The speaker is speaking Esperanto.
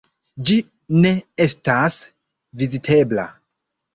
Ĝi ne estas vizitebla.